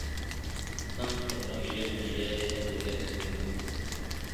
سمت او رنګ ژبه نژاد یې ازلي راکړي نه دي,